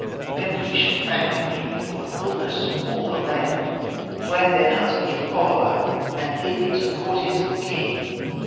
Then he shall thank me before the fulness of all the land. Grant then unto me a follower, and lead me to the courtiers of the king.